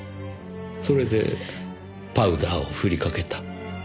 それでパウダーをふりかけた。